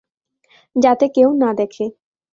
যাতে কেউ না দেখে।